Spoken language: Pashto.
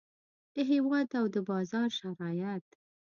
د هیواد او د بازار شرایط.